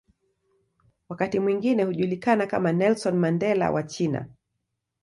Wakati mwingine hujulikana kama "Nelson Mandela wa China".